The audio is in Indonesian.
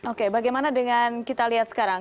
oke bagaimana dengan kita lihat sekarang